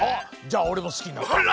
じゃあおれもすきになった！